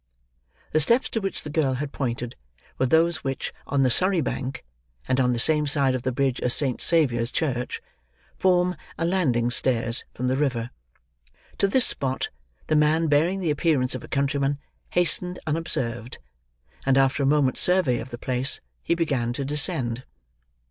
The steps to which the girl had pointed, were those which, on the Surrey bank, and on the same side of the bridge as Saint Saviour's Church, form a landing stairs from the river. To this spot, the man bearing the appearance of a countryman, hastened unobserved; and after a moment's survey of the place, he began to descend.